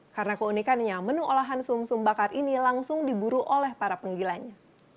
karena keunikannya menu olahan sum sum bakar ini langsung diburu oleh para penggilannya